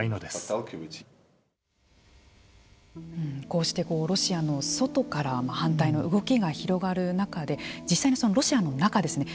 こうしてロシアの外から反対の動きが広がる中で実際にロシアの中ですね。